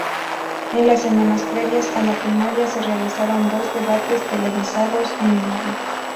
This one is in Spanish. En las semanas previas a la primaria, se realizaron dos debates televisados en vivo.